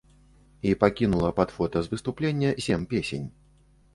І пакінула пад фота з выступлення сем песень.